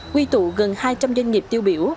quy tụ gần hai trăm linh doanh nghiệp tiêu biểu